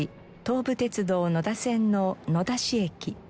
東武鉄道野田線の野田市駅。